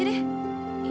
iya saya keluar